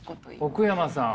奥山さん。